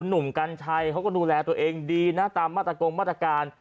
หนุ่มกัญชัยเขาก็ดูแลตัวเองดีนะตามมาตรกงมาตรการ